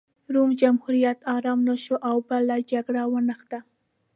روم جمهوریت ارام نه شو او بله جګړه ونښته